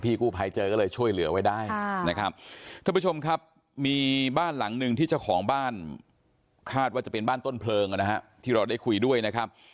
กู้ภัยเจอก็เลยช่วยเหลือไว้ได้นะครับท่านผู้ชมครับมีบ้านหลังหนึ่งที่เจ้าของบ้านคาดว่าจะเป็นบ้านต้นเพลิงนะฮะที่เราได้คุยด้วยนะครับ